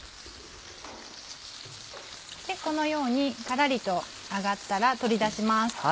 このようにカラリと揚がったら取り出します。